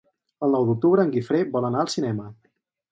El nou d'octubre en Guifré vol anar al cinema.